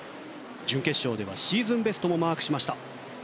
準決勝ではシーズンベストもマークしました。